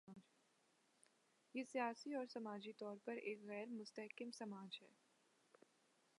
یہ سیاسی اور سماجی طور پر ایک غیر مستحکم سماج ہے۔